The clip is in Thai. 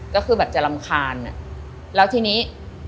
ก็คือแบบจะรำคาญแล้วทีนี้